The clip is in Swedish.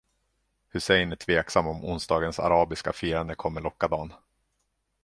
Hussein är tveksam om onsdagens arabiska firande kommer locka Dan.